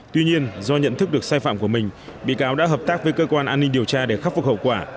tuy nhiên do nhận thức được sai phạm của mình bị cáo đã hợp tác với cơ quan an ninh điều tra để khắc phục hậu quả